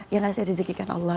ya kasih rizikkan allah